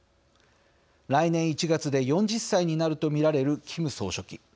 来年１月で４０歳になると見られるキム総書記。